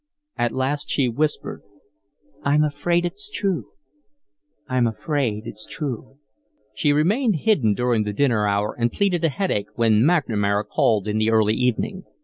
At last she whispered: "I'm afraid it's true. I'm afraid it's true." She remained hidden during the dinner hour, and pleaded a headache when McNamara called in the early evening.